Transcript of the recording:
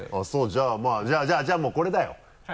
じゃあまぁじゃあもうこれだよ。